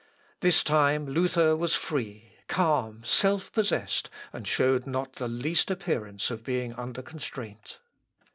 This time Luther was free, calm, self possessed, and showed not the least appearance of being under constraint.